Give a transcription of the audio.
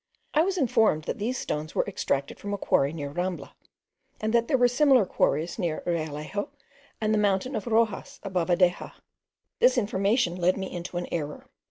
I was informed that these stones were extracted from a quarry near Rambla; and that there were similar quarries near Realejo, and the mountain of Roxas, above Adexa. This information led me into an error.